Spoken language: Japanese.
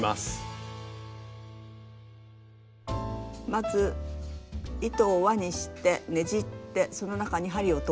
まず糸を輪にしてねじってその中に針を通します。